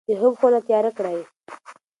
د خوب خونه تیاره کړئ.